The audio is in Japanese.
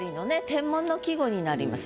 天文の季語になります。